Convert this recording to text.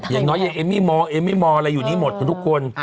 อย่างน้อยอย่างเอมี่มออะไรอยู่นี่หมดทุกคน